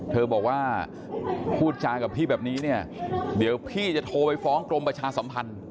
เธอบอกว่าพูดจากับพี่แบบนี้เนี่ยเดี๋ยวพี่จะโทรไปฟ้องกรมประชาสัมพันธ์